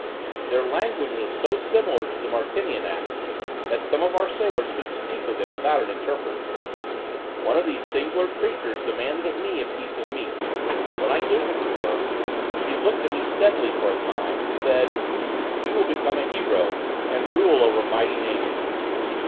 Their language was so similar to the Martinianic, that some of our sailors could speak with them without an interpreter. One of these singular creatures demanded of me a piece of meat; when I gave it to her, she looked at me steadily for a time, and said: you will soon become a hero, and rule over mighty nations!